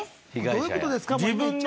どういうことですか？